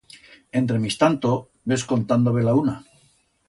Entremistanto, ves contando belauna.